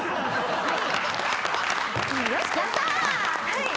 はい。